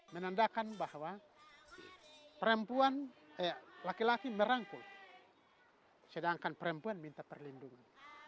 menandakan bahwa laki laki merangkul sedangkan perempuan minta perlindungan